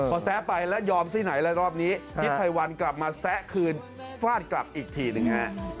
พอแซะไปแล้วยอมที่ไหนแล้วรอบนี้ทิศภัยวันกลับมาแซะคืนฟาดกลับอีกทีหนึ่งฮะ